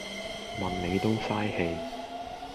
問你都嘥氣